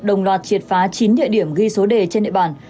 đồng loạt triệt phá chín địa điểm ghi số đề trên địa bàn